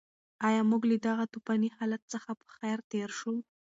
ایا موږ له دغه توپاني حالت څخه په خیر تېر شوو؟